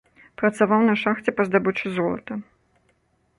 Працаваў на шахце па здабычы золата.